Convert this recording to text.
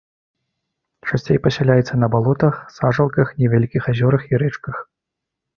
Часцей пасяляецца на балотах, сажалках, невялікіх азёрах і рэчках.